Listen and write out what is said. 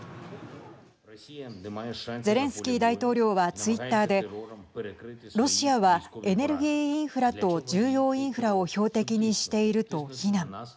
ゼレンスキー大統領はツイッターでロシアはエネルギーインフラと重要インフラを標的にしていると非難。